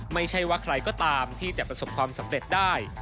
ไม่ใช่ว่าใครก็ตามที่จะประสบความสำเร็จได้